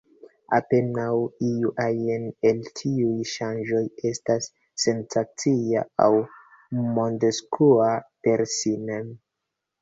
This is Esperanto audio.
Apenaŭ iu ajn el tiuj ŝanĝoj estas sensacia aŭ mondskua per si mem.